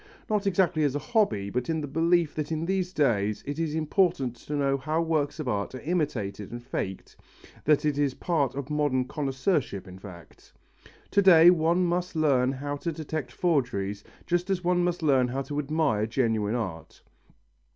Not exactly as a hobby but in the belief that in these days it is important to know how works of art are imitated and faked, that it is part of modern connoisseurship in fact. To day one must learn how to detect forgeries just as one must learn how to admire genuine art.